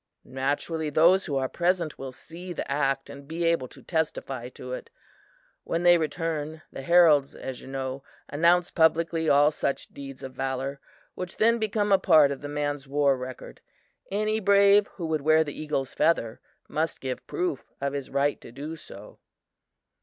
Naturally, those who are present will see the act and be able to testify to it. When they return, the heralds, as you know, announce publicly all such deeds of valor, which then become a part of the man's war record. Any brave who would wear the eagle's feather must give proof of his right to do so.